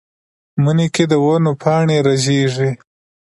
مني کې د ونو پاڼې رژېږي